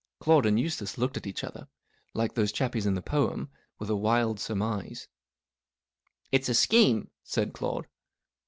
Claude and Eustace looked at each other, like those chappies in the poem, with a wild surmise. " It's a scheme," said Claude.